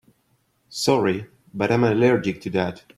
Sorry but I'm allergic to that.